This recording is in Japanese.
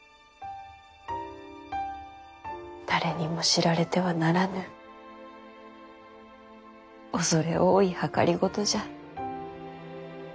誰にも知られてはならぬ恐れ多い謀じゃ。